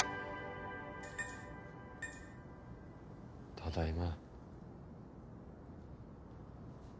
ただいま。